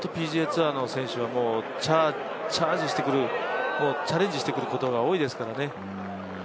ＰＧＡツアーの選手たちはチャージしてくる、チャレンジしてくることが多いですからね。